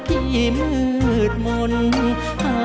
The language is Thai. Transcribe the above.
จะใช้หรือไม่ใช้ครับ